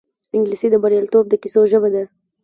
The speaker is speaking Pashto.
انګلیسي د بریالیتوب د کیسو ژبه ده